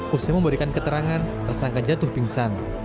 usai memberikan keterangan tersangka jatuh pingsan